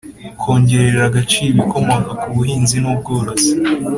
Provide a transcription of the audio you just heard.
Kongerera agaciro ibikomoka ku buhinzi n ubworozi